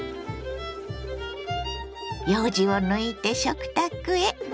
ようじを抜いて食卓へ。